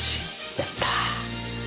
やった！